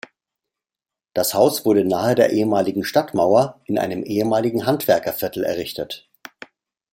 Das Haus wurde nahe der ehemaligen Stadtmauer in einem ehemaligen Handwerkerviertel errichtet.